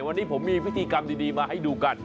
วันนี้ผมมีพิธีกรรมดีมาให้ดูกัน